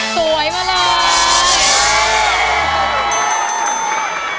สวยมาเลย